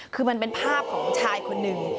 คือมันเป็นภาพของชายคนหนึ่ง